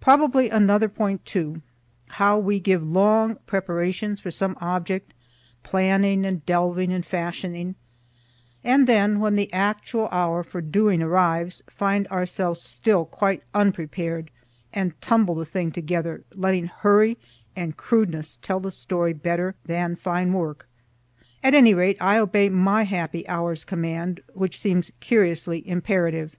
Probably another point, too, how we give long preparations for some object, planning and delving and fashioning, and then, when the actual hour for doing arrives, find ourselves still quite unprepared, and tumble the thing together, letting hurry and crudeness tell the story better than fine work. At any rate I obey my happy hour's command, which seems curiously imperative.